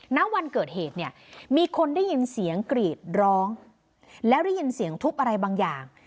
ณวันเกิดเหตุเนี่ยมีคนได้ยินเสียงกรีดร้องแล้วได้ยินเสียงทุบอะไรบางอย่าง